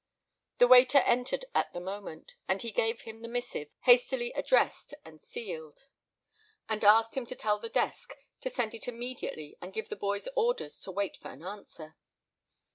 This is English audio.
The waiter entered at the moment, and he gave him the missive, hastily addressed and sealed, and asked him to tell the "desk" to send it immediately and give the boy orders to wait for an answer.